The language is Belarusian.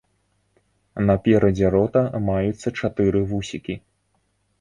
Наперадзе рота маюцца чатыры вусікі.